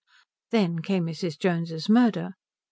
Then came Mrs. Jones's murder.